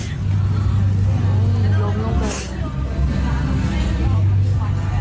เฮ่ย